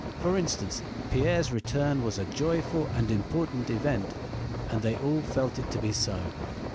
For instance, Pierre's return was a joyful and important event and they all felt it to be so.